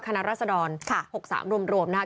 รัศดร๖๓รวมนะครับ